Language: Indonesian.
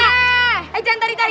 eh jangan tarik tari